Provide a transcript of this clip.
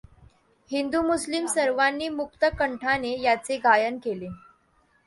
हिदू मुस्लिम सर्वांनी मुक्त कंठाने याचे गायन केले.